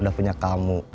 udah punya kamu